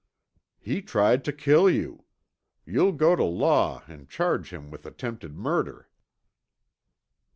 "He tried to kill you. You'll go to law and charge him with attempted murder."